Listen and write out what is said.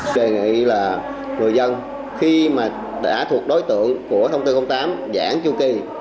chị nghĩ là người dân khi mà đã thuộc đối tượng của bốn trăm linh tám giãn chung kỳ